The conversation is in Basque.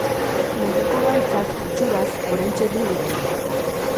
Neguko gaitzak, itxuraz, oraintxe du goraldia.